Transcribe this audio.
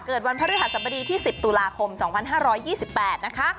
เกิดวันพระภรรยาสมดีที่๑๐ตุลาคม๒๕๒๘นะคะ